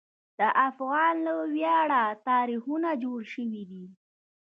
د افغان له ویاړه تاریخونه جوړ شوي دي.